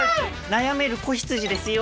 悩める子羊ですよ。